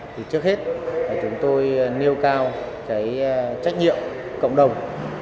thì trước hết là chúng tôi nêu cao cái trách nhiệm cộng đồng